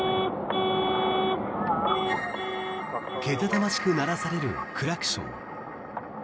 けたたましく鳴らされるクラクション。